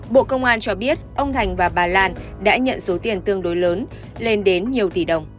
bộ công an cho biết ông thành và bà lan đã nhận số tiền tương đối lớn lên đến nhiều tỷ đồng